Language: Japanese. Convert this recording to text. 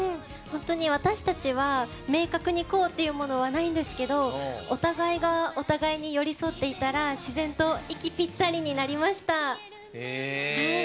本当に私たちは明確に、こうっていうことはないんですがお互いがお互いに寄り添っていたら自然と息ぴったりになりました。